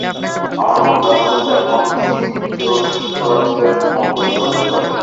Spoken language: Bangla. আমার মনটার মধ্যে তখন সুরাসুরের মন্থন চলছিল।